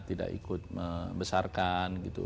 tidak ikut membesarkan gitu